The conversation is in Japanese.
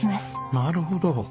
なるほど。